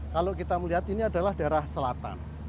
kalau kita melihat ini adalah daerah selatan